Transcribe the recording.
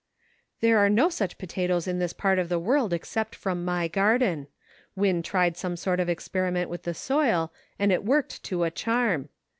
"There are no such potatoes in this part of the world except from my garden ; Win tried some sort of experiment with the soil and it worked to a charm.